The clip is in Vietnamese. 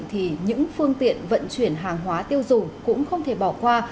thì những phương tiện vận chuyển hàng hóa tiêu dùng cũng không thể bỏ qua